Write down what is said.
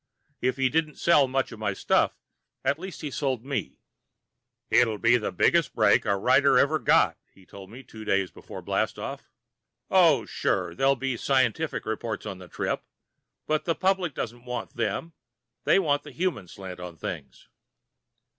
If he didn't sell much of my stuff, at least he sold me. "It'll be the biggest break a writer ever got," he told me, two days before blastoff. "Oh, sure there'll be scientific reports on the trip, but the public doesn't want them; they want the human slant on things."